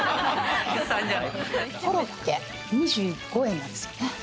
コロッケ、２５円なんですよね。